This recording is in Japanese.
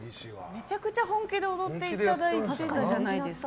めちゃくちゃ本気で踊っていただいてたじゃないですか。